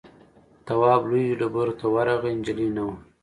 تواب لویو ډبرو ته ورغی نجلۍ نه وه.